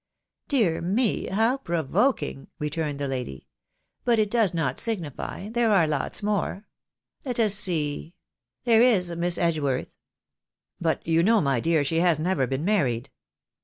" Dear me, how provoking !" returned the lady ;" but it does not signify, there are lots more. Let us see — there is Miss Edgeworth." " But you know, my dear, she has never been married.